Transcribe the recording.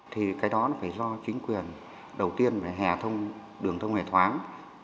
thì cái đó nó phải do chính quyền đầu tiên phải thông đường thông hề thoáng